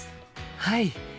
はい！